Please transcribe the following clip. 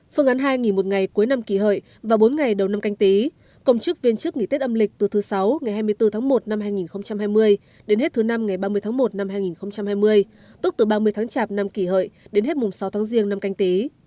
phương án hai nghỉ một ngày cuối năm kỷ hợi và bốn ngày đầu năm canh tí cộng chức viên chức nghỉ tết âm lịch từ thứ sáu ngày hai mươi bốn tháng một năm hai nghìn hai mươi đến hết thứ năm ngày ba mươi tháng một năm hai nghìn hai mươi tức từ ba mươi tháng chạp năm kỷ hợi đến hết mùng sáu tháng riêng năm canh tí